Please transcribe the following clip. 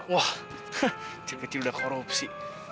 wah kecil kecil udah korupsi